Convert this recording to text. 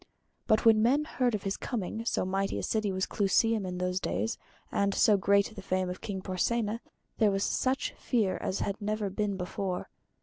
But when men heard of his coming, so mighty a city was Clusium in those days, and so great the fame of King Porsenna, there was such fear as had never been before.